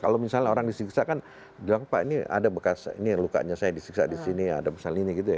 kalau misalnya orang disiksa kan bilang pak ini ada bekas ini lukanya saya disiksa di sini ada pesan ini gitu ya